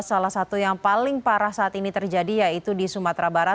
salah satu yang paling parah saat ini terjadi yaitu di sumatera barat